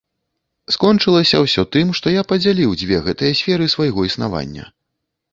Скончылася ўсё тым, што я падзяліў дзве гэтыя сферы свайго існавання.